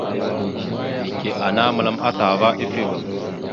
Neke ana məlam ataha ava ifevá.